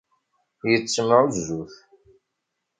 Yettemɛujjut.